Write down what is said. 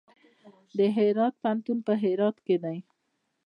د هرات پوهنتون په هرات کې دی